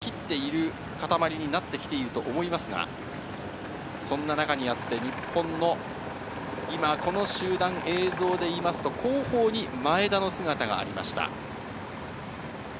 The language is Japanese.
徐々に集団がばらけ始めて、すでに３０人は切っている固まりになってきていると思いますが、そんな中にあって、日本の今この集団、映像でいいますと後方に前田の姿がありました。